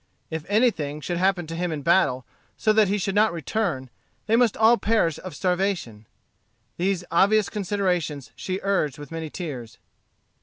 If anything should happen to him in battle so that he should not return, they must all perish of starvation. These obvious considerations she urged with many tears.